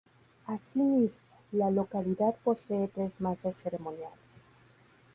Asimismo, la localidad posee tres mazas ceremoniales.